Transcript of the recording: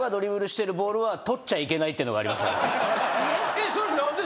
えっそれ何で？